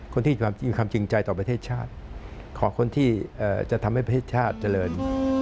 คนที่มีความจริงใจต่อประเทศชาติขอคนที่จะทำให้ประเทศชาติเจริญ